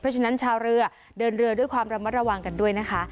เพราะฉะนั้นชาวเรือเดินเรือด้วยความระมัดระวังกันด้วยนะคะ